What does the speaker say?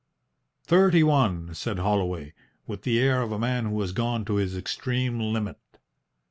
"Thirty one," said Holloway, with the air of a man who has gone to his extreme limit.